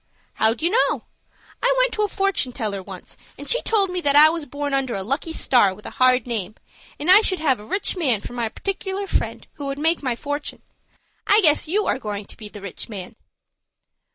"How d'you know? I went to a fortun' teller once, and she told me I was born under a lucky star with a hard name, and I should have a rich man for my particular friend, who would make my fortun'. I guess you are going to be the rich man."